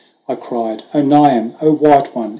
I cried, "0 Niamh! white one!